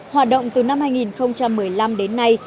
hoạt động từ năm hai nghìn một mươi năm đến nay